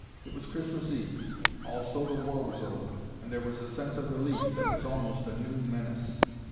It was Christmas Eve. Also the War was over, and there was a sense of relief that was almost a new menace.